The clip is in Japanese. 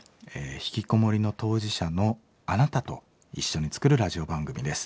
ひきこもりの当事者のあなたと一緒に作るラジオ番組です。